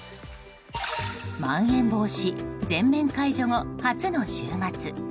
まん延防止全面解除後初の週末。